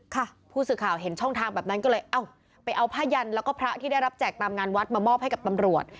ค่ะผู้สื่อข่าวเห็นช่องทางแบบนั้นก็เลยเอ้าไปเอาผ้ายันแล้วก็พระที่ได้รับแจกตามงานวัดมามอบให้กับตำรวจ